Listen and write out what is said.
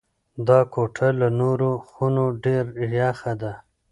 دا کوټه له نورو خونو ډېره یخه ده.